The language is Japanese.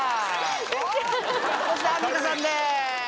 そしてアンミカさんです！